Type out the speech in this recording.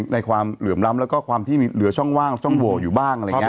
ความเหลื่อมล้ำแล้วก็ความที่เหลือช่องว่างช่องโหวอยู่บ้างอะไรอย่างนี้